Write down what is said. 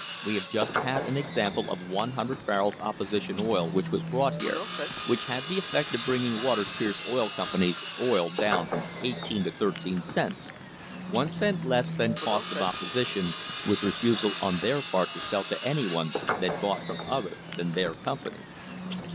We have just had an example of one hundred barrels opposition oil which was brought here, which had the effect of bringing Waters Pierce Oil Company's oil down from 18 to 13 cents one cent less than cost of opposition, with refusal on their part to sell to anyone that bought from other than their company.